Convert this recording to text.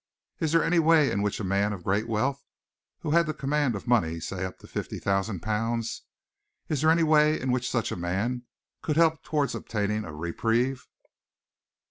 Is there any way in which a man of great wealth, who had the command of money say up to fifty thousand pounds, is there any way in which such a man could help towards obtaining a reprieve?"